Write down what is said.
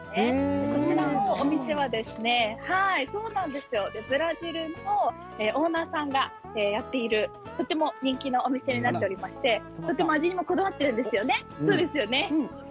こちらのお店はブラジルのオーナーさんがやっているとても人気のお店になっておりまして味にもこだわっているんですよね。